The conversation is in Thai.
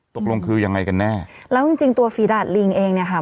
ตกลงคือยังไงกันแน่แล้วจริงจริงตัวฝีดาดลิงเองเนี่ยค่ะ